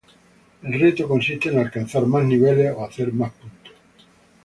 El reto consiste en alcanzar más niveles o hacer más puntos.